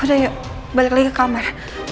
udah yuk balik lagi ke kamar